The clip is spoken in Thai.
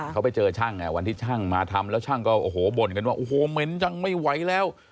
เขาไปเจอช่างวันที่ช่างมาทำแล้วช่างก็โอ้โหบ่นกันว่าโอ้โหเหม็นจังไม่ไหวแล้ว